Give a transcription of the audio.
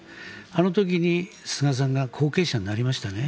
あの時に菅さんが後継者になりましたね。